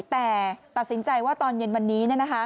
แต่ตัดสินใจว่าตอนเย็นวันนี้